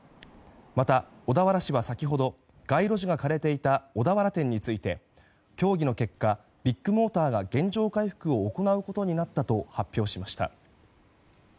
また、小田原市は先ほど街路樹が枯れていた小田原店について、協議の結果ビッグモーターが原状回復を行うことになったと発表しました。